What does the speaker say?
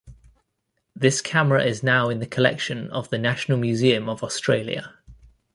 This camera is now in the collection of the National Museum of Australia.